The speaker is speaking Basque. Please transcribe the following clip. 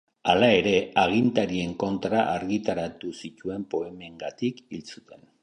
Hala ere, agintarien kontra argitaratu zituen poemengatik hil zuten.